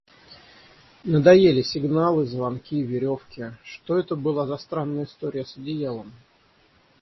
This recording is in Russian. Надоели сигналы, звонки, веревки; Что это была за странная история с одеялом?